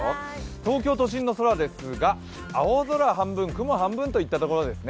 東京都心の空ですが青空半分、雲半分いったところですね。